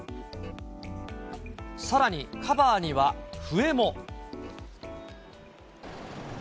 さらに、カバーには笛も。